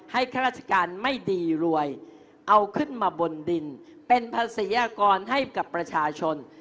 ข้าราชการไม่ดีรวยเอาขึ้นมาบนดินเป็นภาษียากรให้กับประชาชน